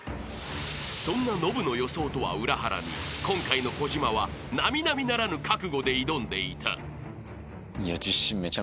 ［そんなノブの予想とは裏腹に今回の小島は並々ならぬ覚悟で挑んでいた］